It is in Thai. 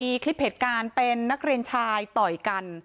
มีคลิปเหตุการณ์เป็นนักเรียนชายต่อยกัน